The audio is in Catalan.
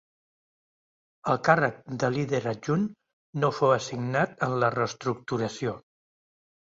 El càrrec de líder adjunt no fou assignat en la reestructuració.